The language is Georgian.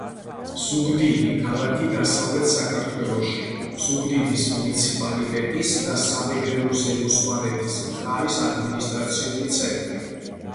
ზუგდიდი — ქალაქი დასავლეთ საქართველოში, ზუგდიდის მუნიციპალიტეტის და სამეგრელო-ზემო სვანეთის მხარის ადმინისტრაციული ცენტრი.